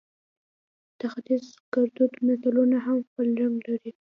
د ختیز ګړدود متلونه هم خپل رنګ لري